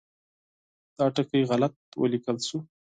دا ټکی غلط ولیکل شو.